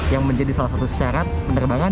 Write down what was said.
yang menjadi salah satu syarat penerbangan